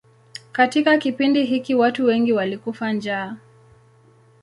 Katika kipindi hiki watu wengi walikufa njaa.